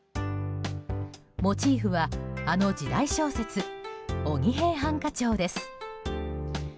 モチーフは、あの時代小説「鬼平犯科帳」です。